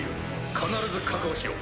必ず確保しろ。